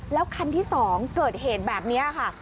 แล้วคันที่๒เกิดเหตุแบบนี้ค่ะ